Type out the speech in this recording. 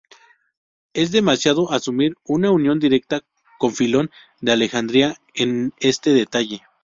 Es demasiado asumir una unión directa con Filón de Alejandría, en este detalle.